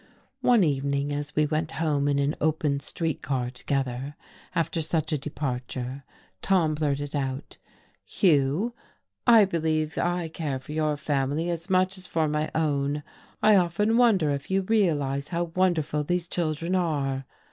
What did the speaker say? One evening, as we went home in an open street car together, after such a departure, Tom blurted out: "Hugh, I believe I care for your family as much as for my own. I often wonder if you realize how wonderful these children are!